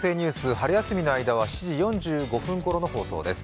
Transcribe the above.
春休みの間は７時４５分ごろの放送です。